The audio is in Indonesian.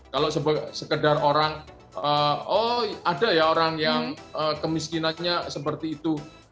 kalau sekedar orang oh ada ya orang yang kemiskinannya seperti itu